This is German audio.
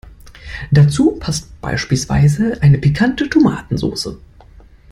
Dazu passt beispielsweise eine pikante Tomatensoße.